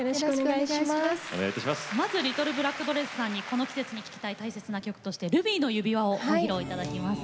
まずはリトルブラックドレスさんにこの季節に聴きたい大切な曲として「ルビーの指環」を歌っていただきます。